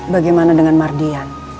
bagaimana dengan mardian